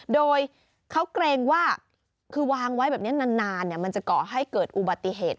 โดยเขาเกรงว่าคือวางไว้แบบนี้นานมันจะก่อให้เกิดอุบัติเหตุ